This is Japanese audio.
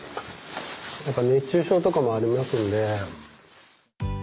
やっぱ熱中症とかもありますんで。